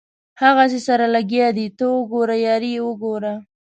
هغسې سره لګیا دي ته وګوره یاري یې وګوره.